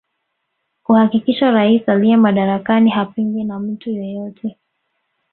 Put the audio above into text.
Kuhakikisha rais aliye madarakani hapingwi na mtu yeyote